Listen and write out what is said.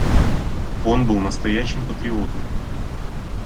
Он был настоящим патриотом.